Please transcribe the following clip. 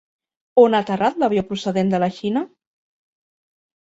On ha aterrat l'avió procedent de la Xina?